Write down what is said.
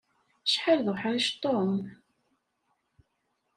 Acḥal d uḥṛic Tom!